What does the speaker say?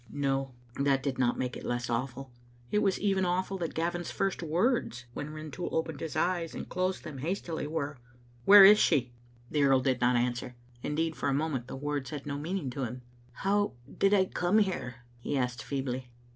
No, that did not make it less awful. It was even awful that Gavin's first words when Rintoul opened his eyes and closed them hastily were, " Where is she?" The earl did not answer; indeed, for the moment the words had no meaning to him. " How did I come here?" he asked feebly.